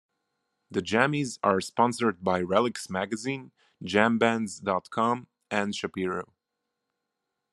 The Jammys are sponsored by Relix magazine, Jambands dot com, and Shapiro.